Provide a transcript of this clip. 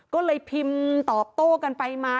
ก็เลยพิมพ์ตอบโต้กันไปมา